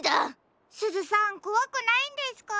すずさんこわくないんですか？